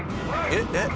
えっ？えっ！？